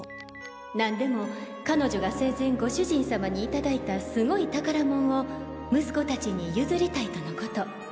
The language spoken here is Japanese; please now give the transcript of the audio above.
なんでも彼女が生前御主人様にいただいたすごい宝物を息子達に譲りたいとのこと。